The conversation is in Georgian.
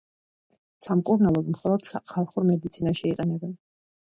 სამკურნალოდ მხოლოდ ხალხურ მედიცინაში იყენებენ.